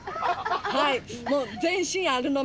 はい。